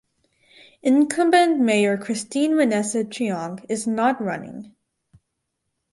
Incumbent mayor Kristine Vanessa Chiong is not running.